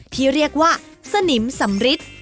ที่เรียกว่าสนิมสำริท